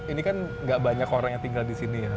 ini kan gak banyak orang yang tinggal disini ya